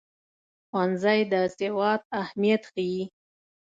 ښوونځی د سواد اهمیت ښيي.